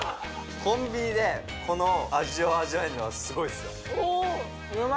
コンビニでこの味を味わえるのはすごいっすよ